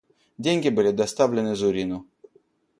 Деньги были доставлены Зурину.